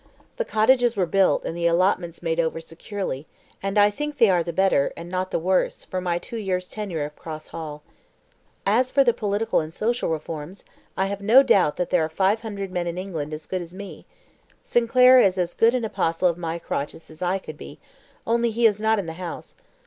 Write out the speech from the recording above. "The cottages were built and the allotments made over securely, and I think they are the better, and not the worse, for my two years' tenure of Cross Hall. As for the political and social reforms, I have no doubt that there are five hundred men in England as good as me. Sinclair is as good an apostle of my crotchets as I could be, only he is not in the House.